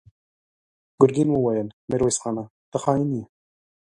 ګرګين وويل: ميرويس خانه! ته خاين يې!